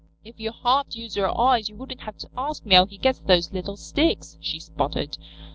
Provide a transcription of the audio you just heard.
"If you half used your eyes you wouldn't have to ask me how he gets those little sticks," she sputtered.